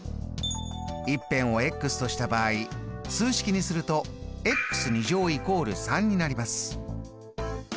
１辺をとした場合数式にすると＝３になります。